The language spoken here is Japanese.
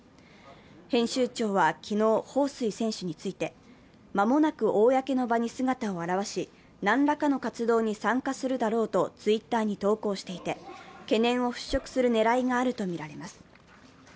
編集長は昨日、彭帥選手について間もなく公の場に姿を現し、何らかの活動に参加するだろうとＴｗｉｔｔｅｒに投稿していて、懸念を払拭する狙いがあるとみられます。